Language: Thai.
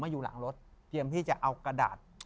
เยี่ยมที่จะเอากระดาษ